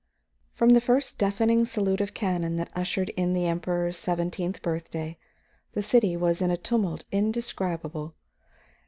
From the first deafening salute of cannon that ushered in the Emperor's seventeenth birthday, the city was in a tumult indescribable.